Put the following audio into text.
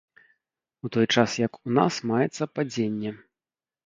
У той час як у нас маецца падзенне.